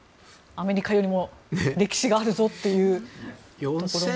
アメリカよりも歴史があるぞというところも。